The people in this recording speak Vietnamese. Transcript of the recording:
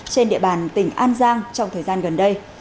trên địa bàn tỉnh an giang trong thời gian gần đây